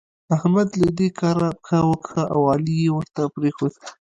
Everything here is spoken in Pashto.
احمد له دې کاره پښه وکښه او علي يې ورته پرېښود.